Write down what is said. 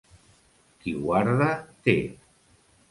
Qui guarda té.